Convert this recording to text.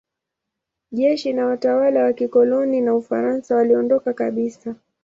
Jeshi na watawala wa kikoloni wa Ufaransa waliondoka kabisa.